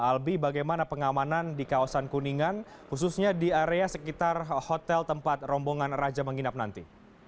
albi bagaimana pengamanan di kawasan kuningan khususnya di area sekitar hotel tempat rombongan raja menginap nanti